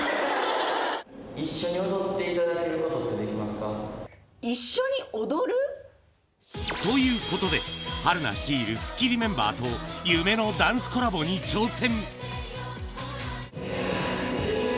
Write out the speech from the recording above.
一緒に踊っていただくことっ一緒に踊る？ということで、春菜率いるスッキリメンバーと、夢のダンスコラボに挑戦。